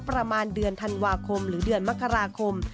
ประมาณเดือนธันวาคมหรือเดือนมกราคม